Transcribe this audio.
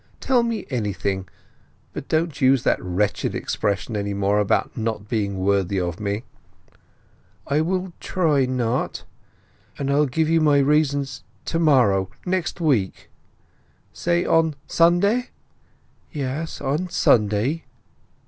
Tell me anything, but don't use that wretched expression any more about not being worthy of me." "I will try—not! And I'll give you my reasons to morrow—next week." "Say on Sunday?" "Yes, on Sunday."